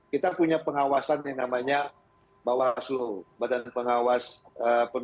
kita punya pengawasan yang namanya bawah hasil badan pengawas pemilihan umum ya kan